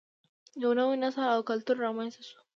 یو نوی نسل او کلتور رامینځته شو